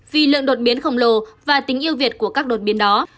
vì lượng đột biến khổng lồ và tính yêu việt của các đột biến đó